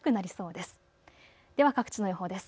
では各地の予報です。